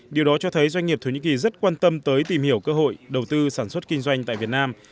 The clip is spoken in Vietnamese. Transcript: điều đó cho thấy doanh nghiệp thổ nhĩ kỳ rất quan tâm tới tìm hiểu cơ hội đầu tư sản xuất kinh doanh tại việt nam